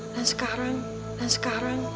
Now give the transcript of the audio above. dan sekarang dan sekarang